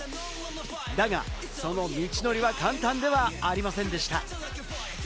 だがその道のりは簡単ではありませんでした。